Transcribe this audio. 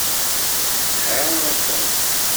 Ha a Tom.